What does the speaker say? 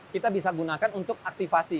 kita bisa gunakan untuk aktifasi